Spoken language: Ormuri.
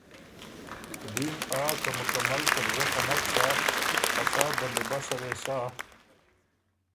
دیم آ که مکمل قبضۀ خه نک سَۀ خه سا بندیبسه وې سَۀ